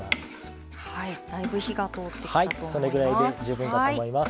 だいぶ火が通ってきたと思います。